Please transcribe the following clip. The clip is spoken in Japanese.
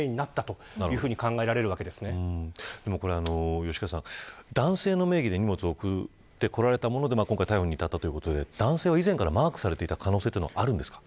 吉川さん男性の名義で荷物を送ってこられたもので今回逮捕に至ったということで男性は以前からマークされていた可能性はあるんですか。